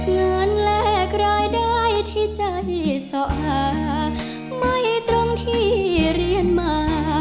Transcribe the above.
แลกรายได้ที่ใจสะอาไม่ตรงที่เรียนมา